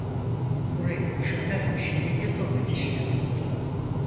Burayı kuşatarak şiddetli top ateşine tuttu.